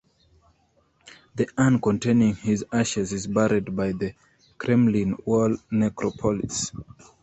The urn containing his ashes is buried by the Kremlin Wall Necropolis.